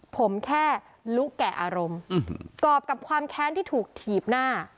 ผมแค่ลุกแก่อารมณ์กรอบกับความแค้นที่ถูกถีบหน้า